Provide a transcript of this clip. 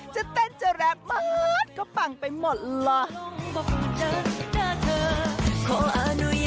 จะเต้นจะแรปมากก็ปังไปหมดล่ะ